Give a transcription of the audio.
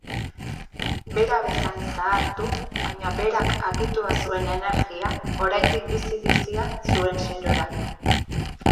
Bera bezain zahartu baina berak akitua zuen energia oraindik bizi-bizia zuen serora.